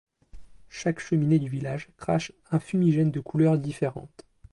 Chaque cheminée du village crache un fumigène de couleur différente.